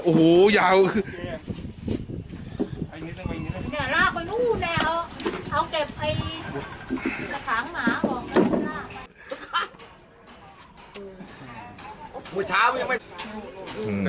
รูดจากขางไม่เอา